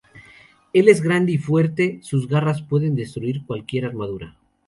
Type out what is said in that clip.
Él es grande y fuerte, sus garras, pueden destruir cualquier armadura.